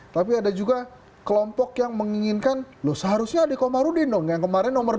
tapi ada juga kelompok yang menginginkan loh seharusnya adik komarudin dong yang kemarin nomor dua